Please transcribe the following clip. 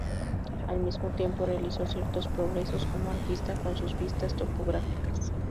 Al mismo tiempo, realizó ciertos progresos como artista con sus vistas topográficas.